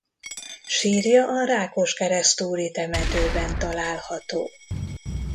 Sírja a Rákoskeresztúri temetőben található.